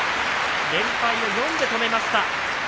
連敗を４で止めました。